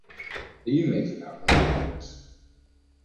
Are you making that whining noise?